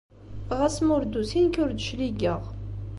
Ɣas ma ur d-tusi, nekk ur d-cligeɣ.